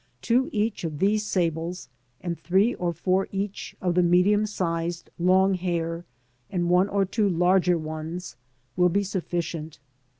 Two each of these sables, and three or four each of the medium sized long hair, and one or two larger ones, will be suffi cient.